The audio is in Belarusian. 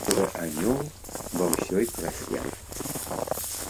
Белы ангел ва ўсёй красе.